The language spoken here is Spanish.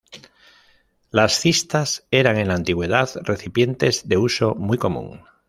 Las cistas eran en la antigüedad, recipientes de uso muy común.